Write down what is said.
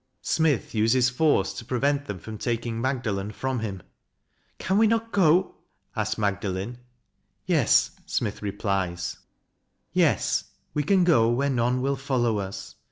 Smith uses force to prevent them from taking Magdalen from him. " Can we not go?" asks Magdalen. " Yes," Smith replies: Yes, we can go where none will follow us.